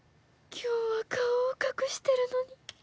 今日は顔を隠してるのに